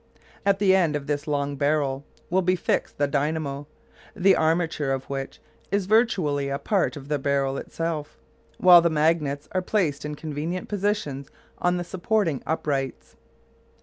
At the end of this long barrel will be fixed the dynamo, the armature of which is virtually a part of the barrel itself, while the magnets are placed in convenient positions on the supporting uprights.